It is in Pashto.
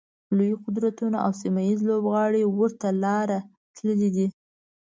لوی قدرتونه او سیمه ییز لوبغاړي ورته لاره تللي دي.